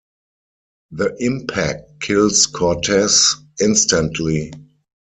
The impact kills Cortez instantly.